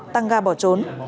tăng ga bỏ trốn